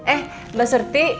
eh mbak surti